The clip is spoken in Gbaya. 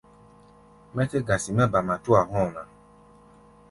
Mɛ́ tɛ́ gasi mɛ́ ba matúa hɔ̧́ɔ̧ ná.